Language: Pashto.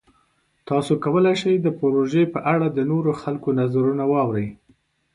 تاسو کولی شئ د پروژې په اړه د نورو خلکو نظرونه واورئ.